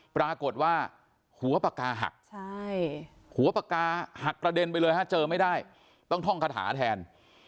ปราหกฏว่าหัวปากกาหักหักประเด็นไปเลยเจอไม่ได้ต้องท่องคาถาแทน